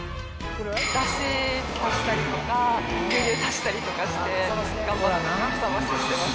だしを足したりとか、牛乳足したりとかして頑張ってかさまししてます。